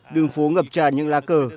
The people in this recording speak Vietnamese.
đường phố ngập tràn những lá cờ